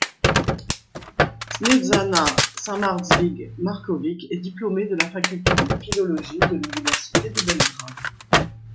Snežana Samardžić-Marković est diplômée de la Faculté de philologie de l'université de Belgrade.